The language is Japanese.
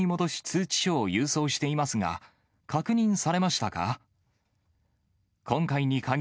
通知書を郵送していますが、確認されましたか？